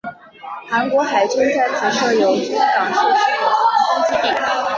韩国海军在此设有军港设施和航空基地。